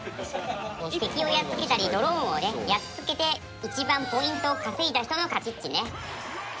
敵をやっつけたりドローンを壊していちばんポイントを稼いだ人の勝ちッチね。